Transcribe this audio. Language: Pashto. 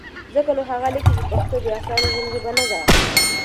ځکه نو هغه لیکي، چې پښتو د اسانه ژوند ژبه نه ده؛